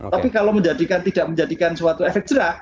tapi kalau tidak menjadikan suatu efek jerak